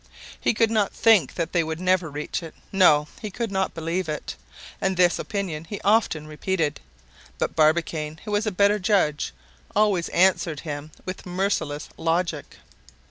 He could not think that they would never reach it. No! he could not believe it; and this opinion he often repeated. But Barbicane, who was a better judge, always answered him with merciless logic.